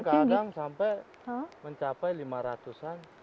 kadang sampai mencapai lima ratus an